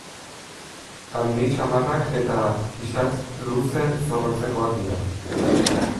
Handi samarrak eta isats luze zorrotzekoak dira.